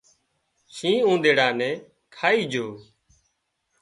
شينهن اونۮيڙا نين کائي جھو